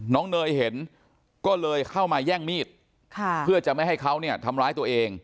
เนยเห็นก็เลยเข้ามาแย่งมีดเพื่อจะไม่ให้เขาเนี่ยทำร้ายตัวเอง